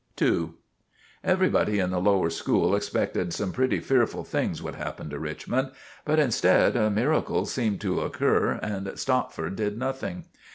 *II* Everybody in the lower school expected some pretty fearful things would happen to Richmond, but instead a miracle seemed to occur and Stopford did nothing.